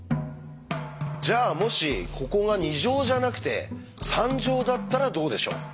じゃあもしここが２乗じゃなくて３乗だったらどうでしょう？